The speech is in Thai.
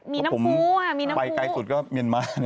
มีน้ำฟู้อ่ะมีน้ำฟู้ก็ผมไปใกล้สุดก็เมียนมาร์